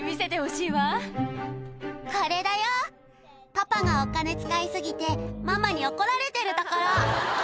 パパがお金使い過ぎてママに怒られてるところ！